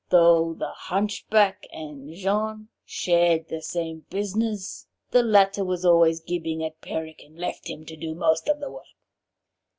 Though the hunchback and Jean shared the same business, the latter was always gibing at Peric, and left him to do most of the work.